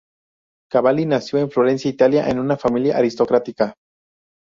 Cavalli nació en Florencia, Italia, en una familia aristocrática.